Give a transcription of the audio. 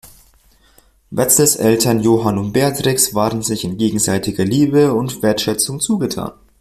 Wenzels Eltern Johann und Beatrix waren sich in gegenseitiger Liebe und Wertschätzung zugetan.